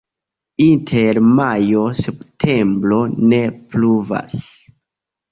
Inter majo-septembro ne pluvas.